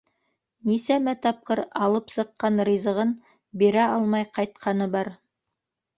Нисәмә тапҡыр алып сыҡҡан ризығын бирә алмай ҡайтҡаны бар.